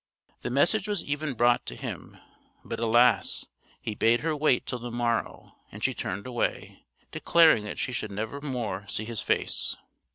The message was even brought to him, but alas! he bade her wait till the morrow, and she turned away, declaring that she should never more see his face!